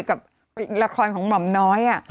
กับละครของหม่อมน้อย